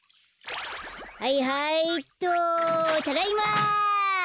はいはいっとただいま。